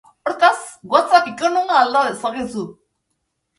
Hortaz, WhatsApp ikonoa alda dezakezu.